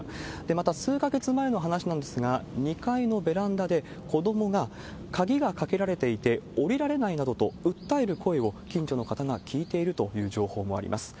また、数か月前の話なんですが、２階のベランダで、子どもが、鍵が掛けられていて下りられないなどと訴える声を近所の方が聞いているという情報もあります。